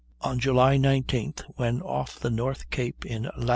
On July 19th, when off the North Cape, in lat.